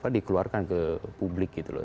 dikeluarkan ke publik gitu loh